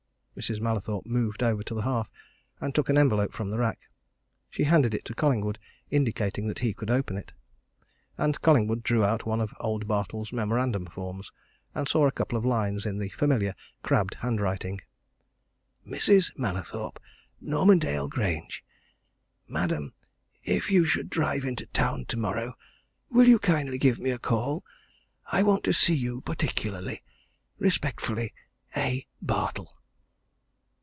Mrs. Mallathorpe moved over to the hearth, and took an envelope from the rack. She handed it to Collingwood, indicating that he could open it. And Collingwood drew out one of old Bartle's memorandum forms, and saw a couple of lines in the familiar crabbed handwriting: "MRS. MALLATHORPE, Normandale Grange. "Madam, If you should drive into town tomorrow, will you kindly give me a call? I want to see you particularly. "Respectfully, A. BARTLE."